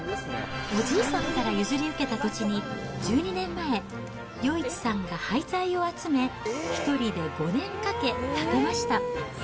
おじいさんから譲り受けた土地に、１２年前、余一さんが廃材を集め、１人で５年かけ建てました。